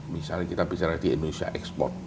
misalnya kita bicara di indonesia ekspor